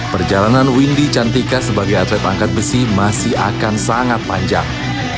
perjalanan windy cantika sebagai atlet angkat besi masih akan sangat panjang